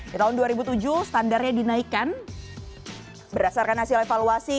di tahun dua ribu tujuh standarnya dinaikkan berdasarkan hasil evaluasi